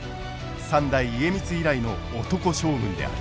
三代家光以来の男将軍である。